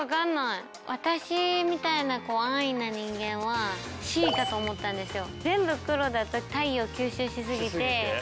私みたいな安易な人間はＣかと思ったんですよ。